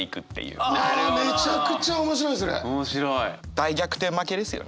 大逆転負けですよねだから。